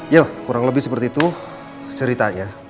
ya kurang lebih seperti itu ceritanya